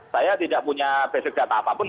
saya tidak punya basic data apapun